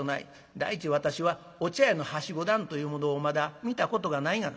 第一私はお茶屋のはしご段というものをまだ見たことがないがな」。